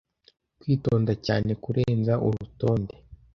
kwitonda cyane kurenza urutonde